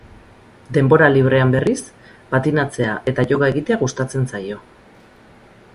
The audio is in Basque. Denbora librean, berriz, patinatzea eta yoga egitea gustatzen zaio.